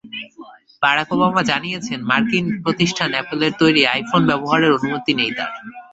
Barack Obama জানিয়েছেন, মার্কিন প্রতিষ্ঠান অ্যাপলের তৈরি আইফোন ব্যবহারের অনুমতি নেই তাঁর।